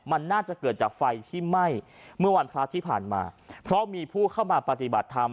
มันน่าจะเกิดจากไฟที่ไหม้เมื่อวันพระที่ผ่านมาเพราะมีผู้เข้ามาปฏิบัติธรรม